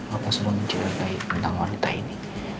apa sebuah menceritai tentang wanita ini